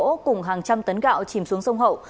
và hàng trăm tấn gạo chìm xuống sông hậu